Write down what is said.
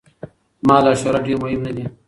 مال او شهرت ډېر مهم نه دي.